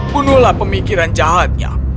bunuhlah pemikiran jahatnya